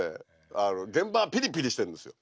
あの現場はピリピリしてるんですよ。